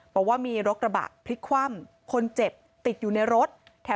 บอกว่ามีรถกระบะพลิกคว่ำคนเจ็บติดอยู่ในรถ